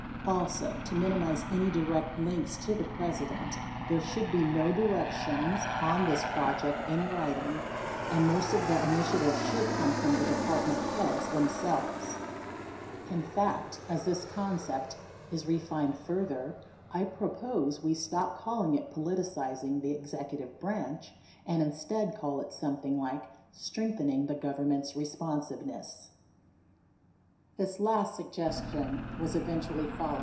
Also, to minimize any direct links to the President, there should be no directions on this project in writing, and most of the initiative should come from the Department Heads them selves. (In fact, as this concept is refined further, I propose we stop calling it "politicizing the Executive Branch," and instead call it something like strengthening the Government's responsiveness.)